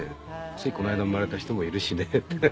ついこの間生まれた人もいるしね